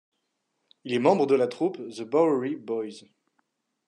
Il est membre de la troupe The Bowery Boys.